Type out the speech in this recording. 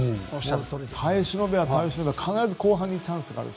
耐え忍べば忍ぶほど必ず後半にチャンスがあると。